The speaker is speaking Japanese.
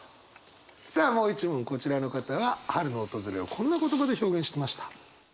さあもう一問こちらの方は春の訪れをこんな言葉で表現してました。